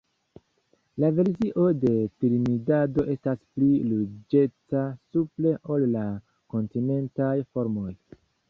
La versio de Trinidado estas pli ruĝeca supre ol la kontinentaj formoj.